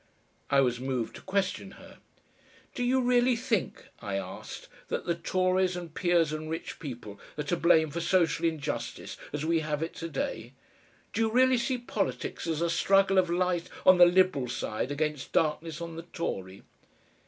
I was moved to question her. "Do you really think," I asked, "that the Tories and peers and rich people are to blame for social injustice as we have it to day? Do you really see politics as a struggle of light on the Liberal side against darkness on the Tory?"